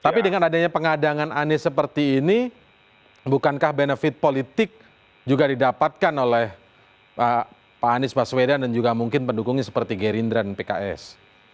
tapi dengan adanya pengadangan anies seperti ini bukankah benefit politik juga didapatkan oleh pak anies baswedan dan juga mungkin pendukungnya seperti gerindra dan pks